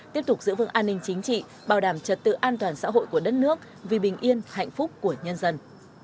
tiếp tục giữ vững an ninh chính trị bảo đảm trật tự an toàn xã hội của đất nước vì bình yên hạnh phúc của nhân dân